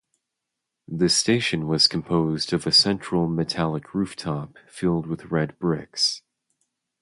The station was composed of a central metallic rooftop, filled with red bricks.